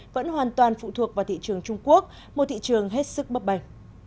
vẫn hoàn toàn phụ thuộc vào thị trường trung quốc một thị trường hết sức bấp bành